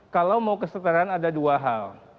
kalau mau kesetaraan ada dua hal